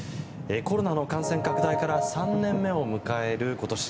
コロナの感染拡大から３年目を迎える今年。